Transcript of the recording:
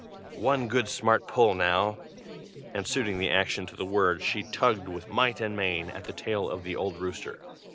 One good smart pull, now " and suiting the action to the word, she tugged with might and main at the tail of the old rooster.